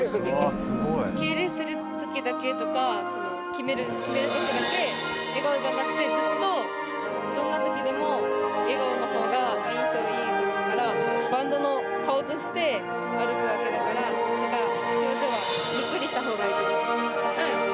敬礼するときだけとか、決めるときだけ、笑顔じゃなくて、ずっとどんなときでも笑顔のほうが印象がいいと思うから、バンドの顔として歩くわけだから、表情はにっこりしたほうがいいかな。